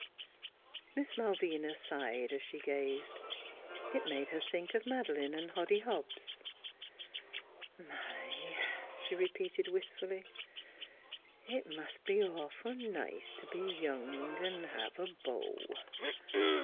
Miss Malvina sighed as she gazed. It made her think of Madeleine and Hoddy Hobbs. NEIGHBORS 291 " My !" she repeated wistfully, " it must be awful nice to be young an' hev a beau."